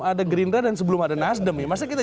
ada gerindra dan sebelum ada nasdem maksudnya kita